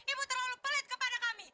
ibu terlalu pelit kepada kami